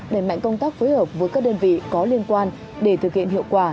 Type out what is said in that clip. đẩy mạnh công tác phối hợp với các đơn vị có liên quan để thực hiện hiệu quả